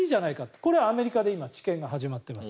これ、アメリカで治験が始まっています。